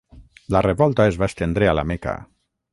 La revolta es va estendre a la Meca.